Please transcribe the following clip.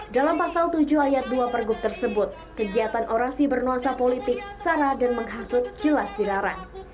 dalam pasal tujuh ayat dua pergub tersebut kegiatan orasi bernuansa politik sara dan menghasut jelas dilarang